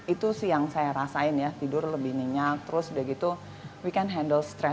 itu sih yang saya rasain ya tidur lebih nyenyak terus udah gitu we can handle strend